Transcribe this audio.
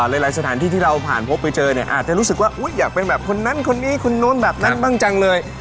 หลายสถานที่ที่เราผ่านพบไปเจอเนี่ยอาจจะรู้สึกว่าอยากเป็นแบบคนนั้นคนนี้คนนู้นแบบนั้นบ้างจังเลย